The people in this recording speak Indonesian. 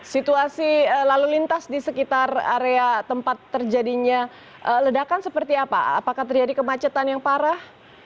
situasi lalu lintas di sekitar area tempat terjadinya ledakan seperti apa apakah terjadi kemacetan yang parah